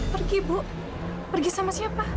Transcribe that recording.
pergi bu pergi sama siapa